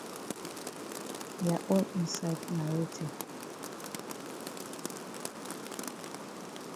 Ya own inside na weti.